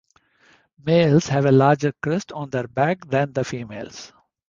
Males have a larger crest on their back than the females.